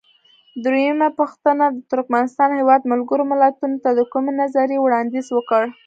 درېمه پوښتنه: د ترکمنستان هیواد ملګرو ملتونو ته د کومې نظریې وړاندیز وکړ؟